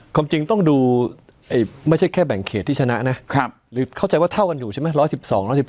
ความจริงต้องดูไม่ใช่แค่แบ่งเขตที่ชนะนะหรือเข้าใจว่าเท่ากันอยู่ใช่ไหม